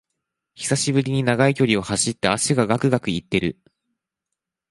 久しぶりに長い距離を走って脚がガクガクいってる